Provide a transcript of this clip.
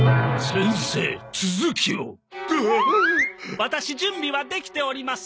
ワタシ準備はできております。